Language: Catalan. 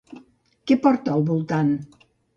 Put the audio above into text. Què porta al voltant?